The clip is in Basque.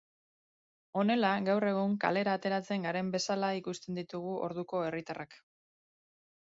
Honela, gaur egun kalera ateratzen garen bezala ikusten ditugu orduko herritarrak.